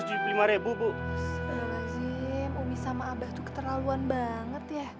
astaga azim umi sama abah tuh keterlaluan banget ya